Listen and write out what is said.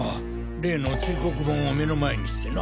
例の堆黒盆を目の前にしてな！